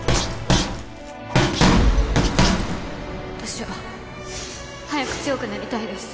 私は早く強くなりたいです。